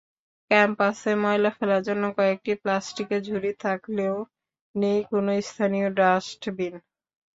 ক্যাম্পাসে ময়লা ফেলার জন্য কয়েকটি প্লাস্টিকের ঝুড়ি থাকলেও নেই কোনো স্থায়ী ডাস্টবিন।